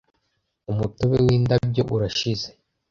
umutobe windabyo urashize